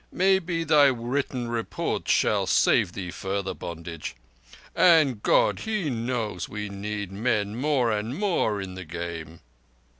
Maybe thy written report shall save thee further bondage; and God He knows we need men more and more in the Game."